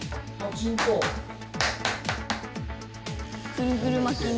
ぐるぐるまきに。